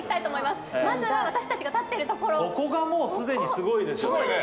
まずは私たちが立っているところここがもうすでにすごいですよね